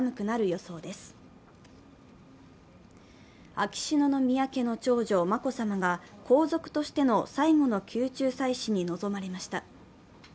秋篠宮家の長女、眞子さまが皇族としての最後の宮中祭祀に臨まれました。